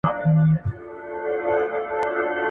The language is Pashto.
تش کوهي ته په اوبو پسي لوېدلی ,